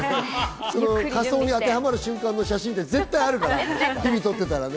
仮装に当てはまる瞬間の写真って絶対あるから、日々とってたらね。